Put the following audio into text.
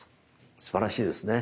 すばらしいですね。